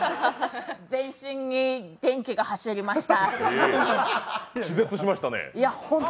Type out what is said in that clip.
全身に電気が走りました。